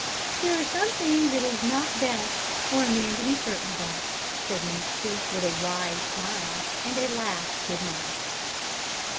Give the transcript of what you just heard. "There are some things it is not best for a man to be certain about," said Nancy, with a wise smile and a last good night.